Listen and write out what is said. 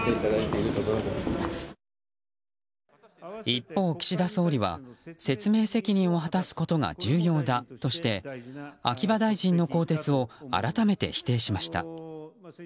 一方、岸田総理は説明責任を果たすことが重要だとして秋葉大臣の更迭を改めて否定しました。